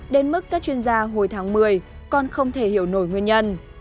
đến mức các chuyên gia hồi tháng một mươi còn không thể hiểu nổi nguyên nhân